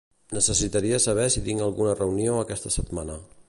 Necessitaria saber si tinc alguna reunió aquesta setmana.